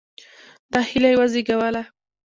دا هیله یې وزېږوله.